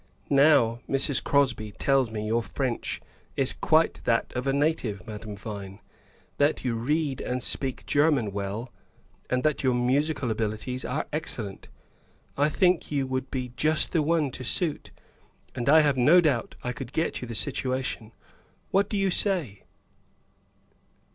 Now, Mrs. Crosby tells me your French is quite that of a native, Madame Vine, that you read and speak German well, and that your musical abilities are excellent. I think you would be just the one to suit; and I have no doubt I could get you the situation. What do you say?"